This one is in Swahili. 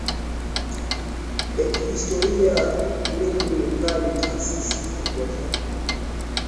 ya kihistoria Miji mkali taasisi kubwa za